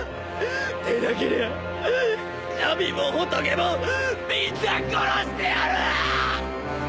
でなけりゃ神も仏もみんな殺してやるー！